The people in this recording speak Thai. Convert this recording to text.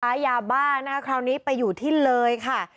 ค้ายาบ้านะคะคราวนี้ไปอยู่ที่เลยค่ะ